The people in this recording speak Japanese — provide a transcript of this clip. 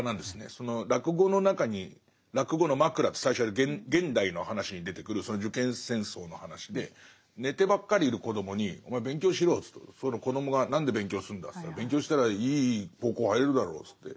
その落語の中に落語のマクラって最初現代の話に出てくる受験戦争の話で寝てばっかりいる子供に「お前勉強しろよ」と言うとその子供が「何で勉強するんだ」と言ったら「勉強したらいい高校入れるだろ」って。